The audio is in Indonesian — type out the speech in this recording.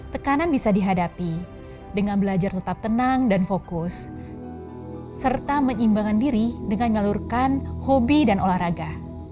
tekanan bisa dihadapi dengan belajar tetap tenang dan fokus serta menyeimbangkan diri dengan nyalurkan hobi dan olahraga